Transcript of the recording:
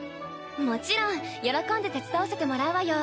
もちろん喜んで手伝わせてもらうわよ。